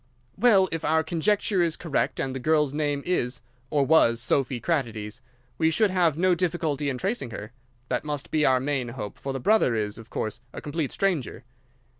"Well, if our conjecture is correct and the girl's name is or was Sophy Kratides, we should have no difficulty in tracing her. That must be our main hope, for the brother is, of course, a complete stranger.